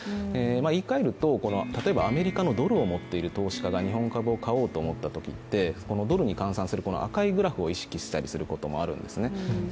言いかえるとアメリカのドルを持っている投資家が日本株を買おうと思ったときって、ドルに換算する赤いグラフを意識したりすることもあるんですね。